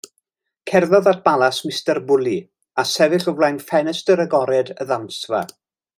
Cerddodd at balas Mistar Bully, a sefyll o flaen ffenestr agored y ddawnsfa.